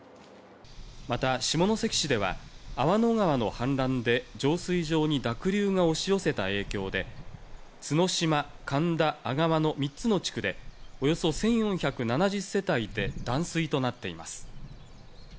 また下関市では、粟野川の氾濫で浄水場に濁流が押し寄せた影響で、角島、神田、阿川の３つの地区で、およそ１４７０世帯で断水となっています。